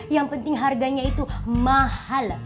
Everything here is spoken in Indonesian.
yang penting harganya itu mahal